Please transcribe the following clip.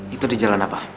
itu di jalan apa